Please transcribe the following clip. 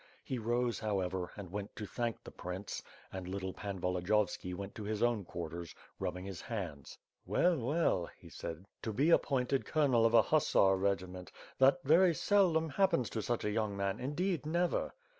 He rose^ however, and went to thank the prince, and little 462 ^^^'^^^^^^^^ fifWO/Ji). Pan Volodiyovski went to his own quarters, rubbing his hands. "Well, well," he said, "to be appointed colonel of a hussar regiment; that very seldom happens to such a young man; indeed never!"